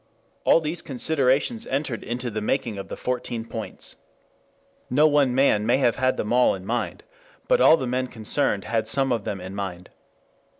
All these considerations entered into the making of the Fourteen Points. No one man may have had them all in mind, but all the men concerned had some of them in mind.